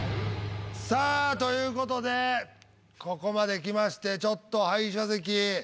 さあということでここまで来ましてちょっと敗者席。